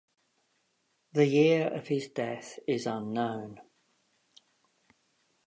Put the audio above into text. The year of his death is unknown.